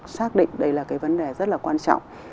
xác định đây là cái vấn đề rất là quan trọng